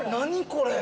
これ。